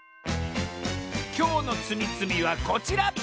きょうのつみつみはこちら！